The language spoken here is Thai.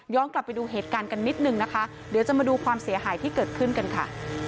กลับไปดูเหตุการณ์กันนิดนึงนะคะเดี๋ยวจะมาดูความเสียหายที่เกิดขึ้นกันค่ะ